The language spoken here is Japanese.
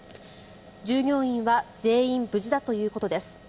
従業員は全員無事だということです。